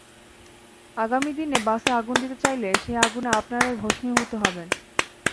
আগামী দিনে বাসে আগুন দিতে চাইলে সেই আগুনে আপনারাই ভস্মীভূত হবেন।